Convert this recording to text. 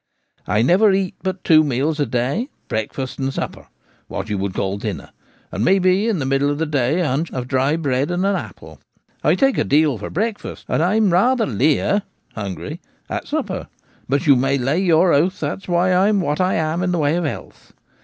I never eat but two meals a day — breakfast and supper : what you would call dinner — and maybe in the middle of the day a hunch of dry bread and an apple. I take a deal for breakfast, and I'm rather lear [hungry] at supper ; but you may lay your oath that's why I'm what I am in the way of health.